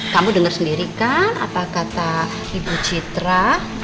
kamu dengar sendiri kan apa kata ibu citra